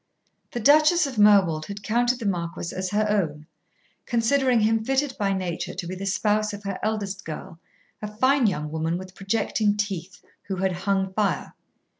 The Duchess of Merwold had counted the Marquis as her own, considering him fitted by nature to be the spouse of her eldest girl, a fine young woman with projecting teeth, who had hung fire.